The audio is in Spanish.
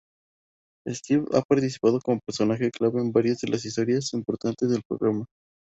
Steph ha participado como personaje clave en varias de las historias importantes del programa.